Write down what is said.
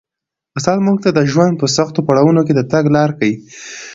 استاد موږ ته د ژوند په سختو پړاوونو کي د تګ لاره ښيي.